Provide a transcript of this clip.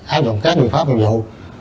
áp dụng các biện pháp hiệu vụ